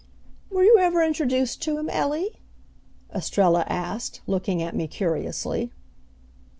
"Were you ever introduced to him, Ellie?" Estrella asked, looking at me curiously.